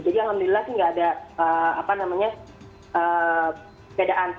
jadi alhamdulillah sih nggak ada apa namanya perbedaan